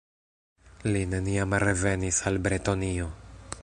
Li neniam revenis al Bretonio.